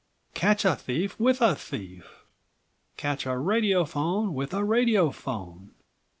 Catch a thief with a thief. Catch a radiophone with a radiophone.